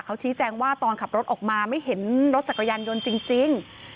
เขาชี้แจงว่าตอนขับรถออกมาไม่เห็นรถจักรยานยนต์จริง